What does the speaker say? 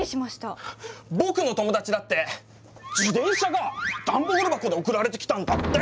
僕の友達だって自転車がダンボール箱で送られてきたんだって！